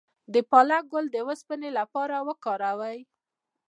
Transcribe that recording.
د پالک ګل د اوسپنې لپاره وکاروئ